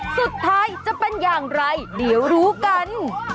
สุดท้ายจะเป็นอย่างไรเดี๋ยวรู้กัน